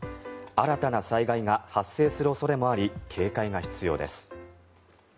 新たな災害が発生する恐れもあり警戒が必要です。